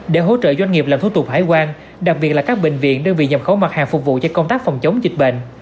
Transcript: để hỗ trợ doanh nghiệp làm thủ tục hải quan đặc biệt là các bệnh viện đơn vị nhập khẩu mặt hàng phục vụ cho công tác phòng chống dịch bệnh